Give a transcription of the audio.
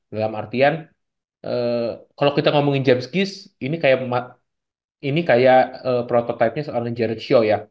dalam artian kalau kita ngomongin james gies ini kayak prototipe nya seorang jared shaw ya